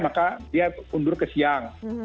maka dia mundur ke siang